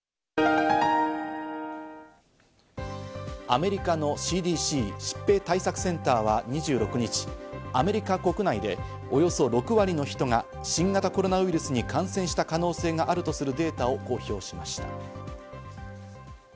アメリカのＣＤＣ＝疾病対策センターは２６日、アメリカ国内でおよそ６割の人が新型コロナウイルスに感染した可能性があるとするデータを公表しました。